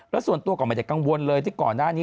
แล้วส่วนตัวก็ไม่ได้กังวลเลยที่ก่อนหน้านี้